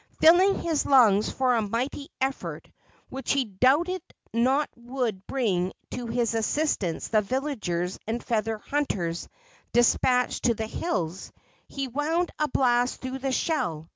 Filling his lungs for a mighty effort, which he doubted not would bring to his assistance the villagers and feather hunters despatched to the hills, he wound a blast through the shell.